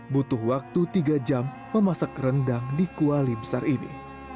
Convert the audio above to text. butuh waktu tiga jam memasak rendang di kuali besar ini